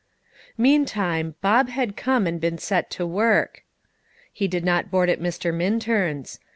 Meantime Bob had come, and been set at work. He did not board at Mr. Minturn's.